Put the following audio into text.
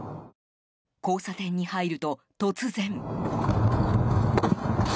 交差点に入ると、突然。